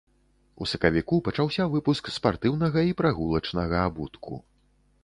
У сакавіку пачаўся выпуск спартыўнага і прагулачнага абутку.